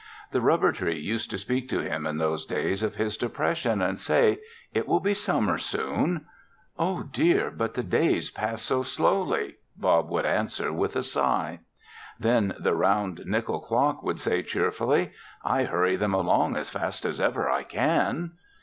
The rubber tree used to speak to him in those days of his depression and say, "It will be summer soon." "Oh dear! But the days pass so slowly," Bob would answer with a sigh. Then the round nickel clock would say cheerfully, "I hurry them along as fast as ever I can."